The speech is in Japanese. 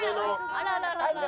あらららら。